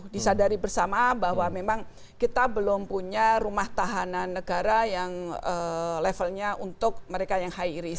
disadari bersama bahwa memang kita belum punya rumah tahanan negara yang levelnya untuk mereka yang high risk